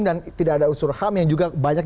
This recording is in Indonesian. dan tidak ada unsur ham yang juga banyak